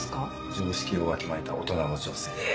常識をわきまえた大人の女性ですね。